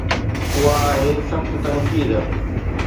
اها آهي سخت تنقيد.